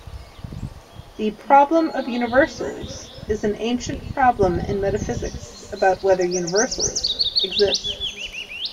"The problem of universals" is an ancient problem in metaphysics about whether universals exist.